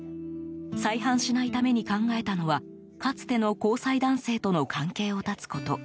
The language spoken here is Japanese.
再犯しないために考えたのはかつての交際男性との関係を絶つこと。